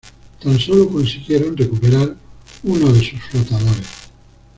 Tan solo consiguieron recuperar uno de sus flotadores.